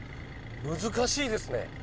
難しいですね。